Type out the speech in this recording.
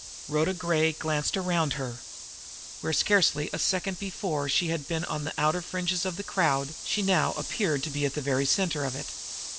Rhoda Gray glanced around her. Where scarcely a second before she had been on the outer fringe of the crowd, she now appeared to be in the very center of it.